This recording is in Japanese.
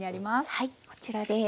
はいこちらです。